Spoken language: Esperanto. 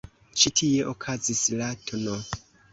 Ĉi tie okazis la tn.